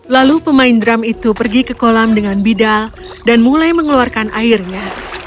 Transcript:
lalu pemain drum itu pergi ke kolam dengan bidal dan mulai mengeluarkan airnya